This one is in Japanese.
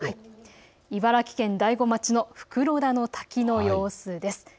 茨城県大子町の袋田の滝の様子です。